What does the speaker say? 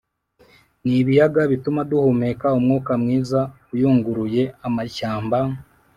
n'ibiyaga bituma duhumeka umwuka mwiza uyunguruye. amashyamba